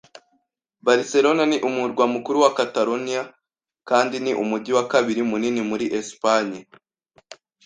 Barcelona ni umurwa mukuru wa Cataloniya, kandi ni umujyi wa kabiri munini muri Espanye.